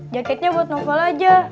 jaketnya buat novel aja